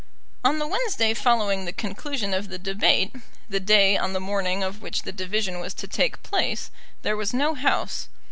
On the Wednesday following the conclusion of the debate, the day on the morning of which the division was to take place, there was no House.